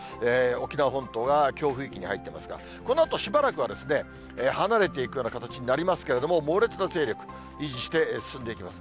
沖縄本島が強風域に入ってますが、このあと、しばらくは離れていくような形になりますけれども、猛烈な勢力、維持して進んでいきます。